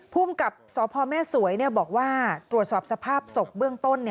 ภูมิกับสพแม่สวยบอกว่าตรวจสอบสภาพศพเบื้องต้น